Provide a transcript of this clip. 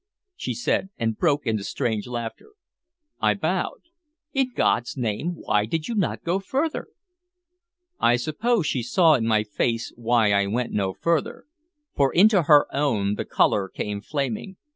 she said, and broke into strange laughter. I bowed. "In God's name, why did you not go further?" I suppose she saw in my face why I went no further, for into her own the color came flaming.